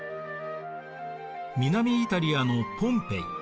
南イタリアのポンペイ。